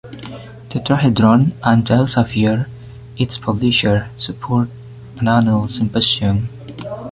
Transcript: "Tetrahedron" and Elsevier, its publisher, support an annual symposium.